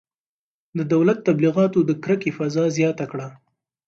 د دولت تبلیغاتو د کرکې فضا زیاته کړه.